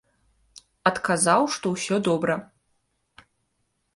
Адказаў, што ўсё добра.